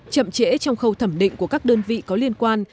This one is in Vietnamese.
chậm trễ trong khâu thẩm định của các đơn vị có liên quan